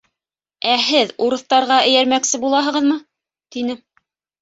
Ә һеҙ урыҫтарға эйәрмәксе булаһығыҙмы? — тине.